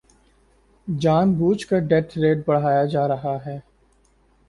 جان بوجھ کر death rate بڑھایا جا رہا ہے